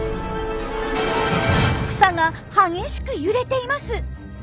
草が激しく揺れています！